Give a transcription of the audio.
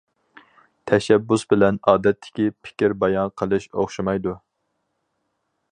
تەشەببۇس بىلەن ئادەتتىكى پىكىر بايان قىلىش ئوخشىمايدۇ.